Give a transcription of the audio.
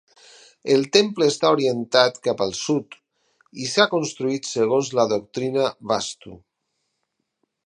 El temple està orientat cap al sud i s'ha construït segons la doctrina vastu.